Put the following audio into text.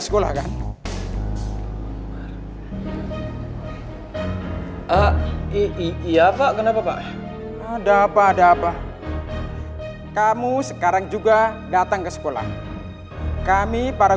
sekolah kan iya pak kenapa pak ada apa ada apa kamu sekarang juga datang ke sekolah kami para